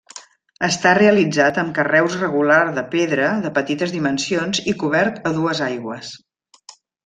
Està realitzat amb carreus regular de pedra de petites dimensions i cobert a dues aigües.